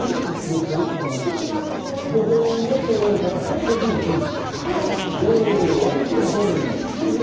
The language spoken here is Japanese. １万５０００円ぐらい相場より高くてもこっちがいい？